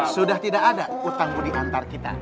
sudah tidak ada utang budi antar kita